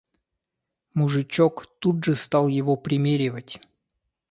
Мужичок тут же стал его примеривать.